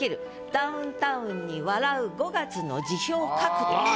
「ダウンタウンに笑う五月の辞表書く」と。